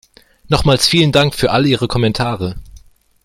Nochmals vielen Dank für all Ihre Kommentare.